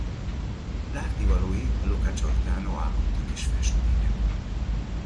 Látnivalói a Luca Giordano alkotta kis festmények.